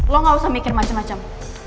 lo gak usah mikir macem macem